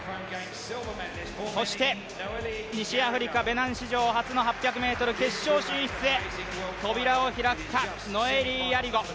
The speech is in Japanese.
そして西アフリカベナン史上発の８００ｍ決勝進出へ扉を開くか、ノエリー・ヤリゴ。